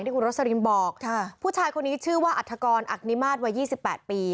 คุณโรสลินบอกผู้ชายคนนี้ชื่อว่าอัฐกรอักนิมาตรวัย๒๘ปี